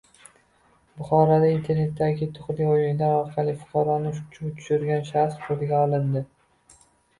Buxoroda internetdagi yutuqli o‘yinlar orqali fuqaroni chuv tushirgan shaxs qo‘lga olindi